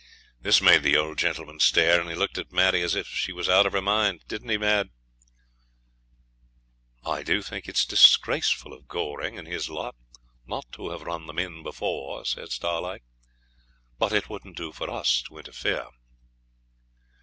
This made the old gentleman stare, and he looked at Maddie as if she was out of her mind. Didn't he, Mad?' 'I do think it's disgraceful of Goring and his lot not to have run them in before,' says Starlight, 'but it wouldn't do for us to interfere.'